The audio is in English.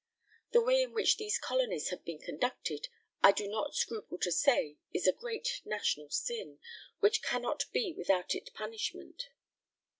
The way in which these colonies have been conducted, I do not scruple to say, is a great national sin, which cannot be without it punishment."